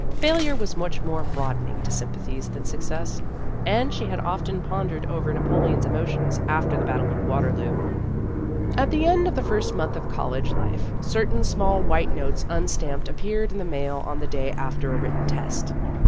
Failure was much more broad ening to sympathies than success ; and she had often pondered over Napoleon's emotions after the battle of Waterloo. At the end of the first month of college life, certain small white notes unstamped In Search of Experience 1 1 appeared in the mail on the day after a written test.